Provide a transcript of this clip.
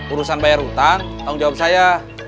urusan bayar hutang tanggung jawab saya